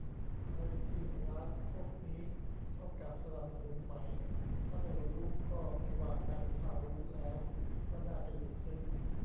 ใครกินร้านพวกนี้เท่ากับสนับสนุนไหม ถ้าไม่รู้ก็ไม่ว่ากัน ถ้ารู้แล้วก็น่าจะหยุดซื้อ